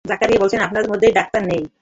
জাকারিয়া বললেন, আপনাদের মধ্যে ডাক্তার নেই?